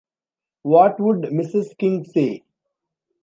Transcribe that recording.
What would Mrs King say?